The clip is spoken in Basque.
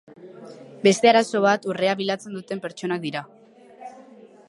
Beste arazo bat urrea bilatzen duten pertsonak dira.